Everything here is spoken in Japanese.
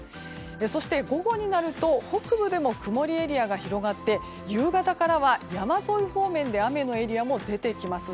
そして午後になると北部でも曇りエリアが広がって夕方からは、山沿い方面で雨のエリアも出てきます。